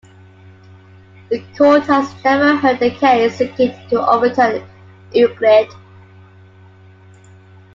The court has never heard a case seeking to overturn "Euclid".